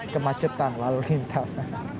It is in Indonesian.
kemacetan lalu lintas